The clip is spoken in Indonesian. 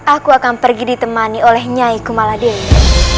aku akan pergi ditemani oleh nyai kumaladewa